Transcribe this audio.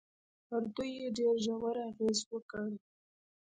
پر دوی يې ډېر ژور اغېز وکړ.